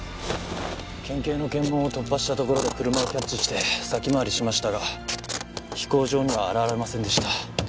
県警の検問を突破したところで車をキャッチして先回りしましたが飛行場には現れませんでした。